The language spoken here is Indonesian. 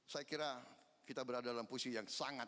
saya kira kita berada dalam posisi yang sangat